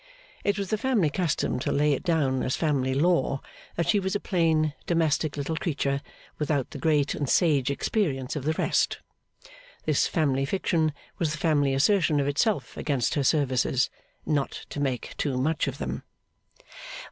It was the family custom to lay it down as family law, that she was a plain domestic little creature, without the great and sage experience of the rest. This family fiction was the family assertion of itself against her services. Not to make too much of them.